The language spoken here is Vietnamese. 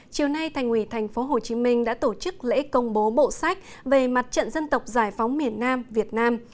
chiều nay thành ủy tp hcm đã tổ chức lễ công bố bộ sách về mặt trận dân tộc giải phóng miền nam việt nam